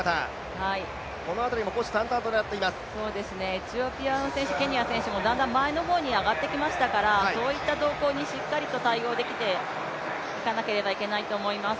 エチオピアの選手、ケニアの選手もだんだん前の方に上がってきましたからそういった動向にしっかりと対応できていかなければいけないと思います。